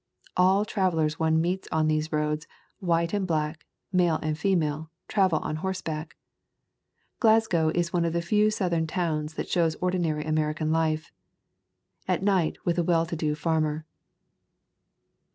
All travelers one meets on these roads, white and black, male and female, travel on horseback. Glasgow is one of the few Southern towns that shows ordinary American life. At night with a well to do farmer.